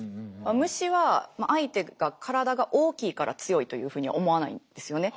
虫は相手が体が大きいから強いというふうには思わないんですよね。